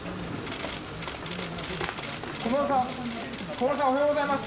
小室さん、小室さん、おはようございます。